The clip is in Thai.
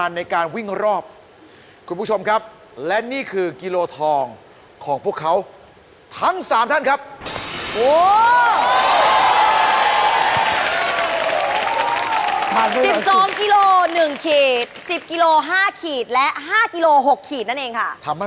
อันนี้เป็นขระ